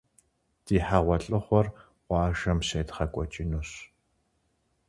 Ди хьэгъуэлӀыгъуэр къуажэм щедгъэкӏуэкӏынущ.